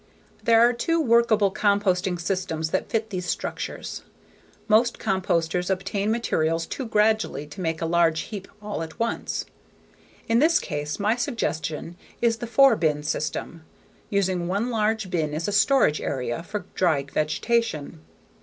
There are two workable composting systems that fit these structures. Most composters obtain materials too gradually to make a large heap all at once. In this case my suggestion is the four bin system, using one large bin as a storage area for dry vegetation.